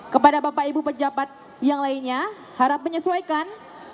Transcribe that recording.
kepada bapak ibu pejabat yang lainnya harap menyesuaikan